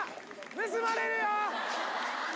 盗まれるよ！」